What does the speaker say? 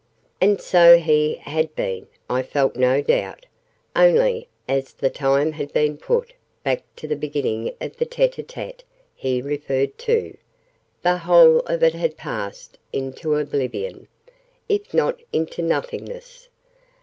And so he had been, I felt no doubt: only, as the time had been put back to the beginning of the tete a tete he referred to, the whole of it had passed into oblivion, if not into nothingness!